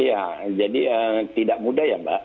iya jadi tidak mudah ya mbak